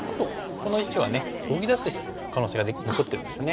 この石は動き出す可能性が残ってるんですよね。